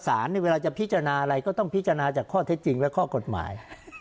เวลาจะพิจารณาอะไรก็ต้องพิจารณาจากข้อเท็จจริงและข้อกฎหมาย